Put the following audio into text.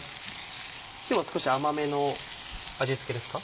今日は少し甘めの味付けですか？